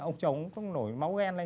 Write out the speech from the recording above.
ông chồng cũng nổi máu ghen lên